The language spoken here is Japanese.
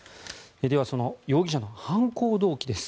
ではその容疑者の犯行動機です。